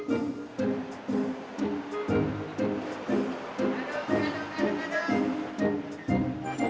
kamu pasti cerita begini biar aku ngejauhin kamu